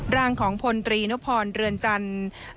ร่างของพลตรีนพรเรือนจันทร์